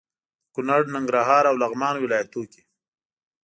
د کونړ، ننګرهار او لغمان ولايتونو کې